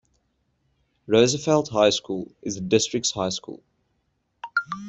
Roosevelt High School is the district's high school.